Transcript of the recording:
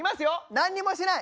何にもしてない。